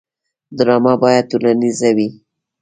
ډرامه باید ټولنیزه وي